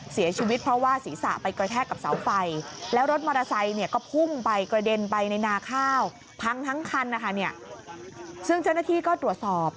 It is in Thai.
เสียชีวิตเพราะว่าศรีษะไปกระแทกกับเสาไฟแล้วรถมอเตอร์ไซค์ก็พุ่งไปกระเด็นไปในนาข้าว